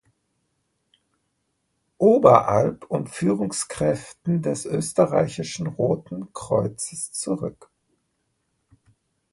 Oberalp und Führungskräften des Österreichischen Roten Kreuzes zurück.